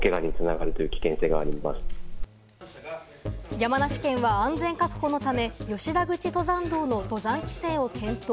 山梨県は安全確保のため吉田口登山道の登山規制を検討。